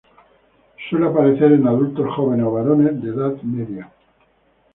Suele aparecer en adultos jóvenes o varones de edad media.